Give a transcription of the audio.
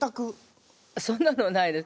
そんなのはないです。